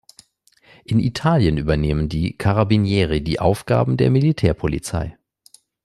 In Italien übernehmen die "Carabinieri" die Aufgaben der Militärpolizei.